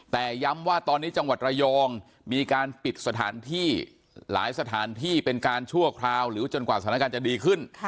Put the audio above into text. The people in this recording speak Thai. แต่ย้ำว่าตอนนี้จังหวัดระยองมีการปิดสถานที่หลายสถานที่เป็นการชั่วคราวหรือจนกว่าสถานการณ์จะดีขึ้น